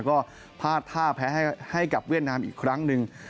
ก็พลาดท่าแพ้ให้กับเวียดนามอีกครั้งหนึ่ง